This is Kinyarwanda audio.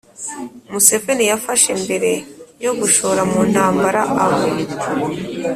museveni yafashe mbere yo gushora mu ntambara abo